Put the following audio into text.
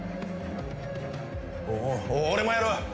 お俺もやる！